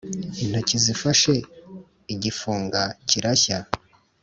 Intoki zifashe igifunga kirashya!